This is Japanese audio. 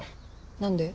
何で？